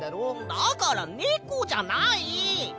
だからネコじゃない！